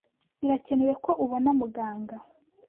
Birakenewe ko ubona muganga.